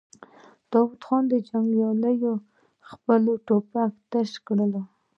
د داوود خان جنګياليو خپلې ټوپکې تشې کړې.